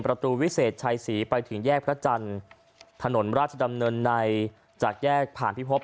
วิเศษชัยศรีไปถึงแยกพระจันทร์ถนนราชดำเนินในจากแยกผ่านพิภพ